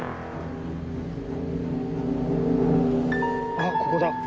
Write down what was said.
あっここだ。